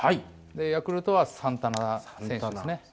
ヤクルトはサンタナ選手ですね。